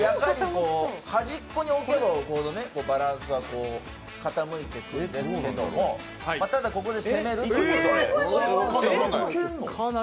端っこに置けば置くほどバランスは傾いていくんですけどもただここで攻めるということも。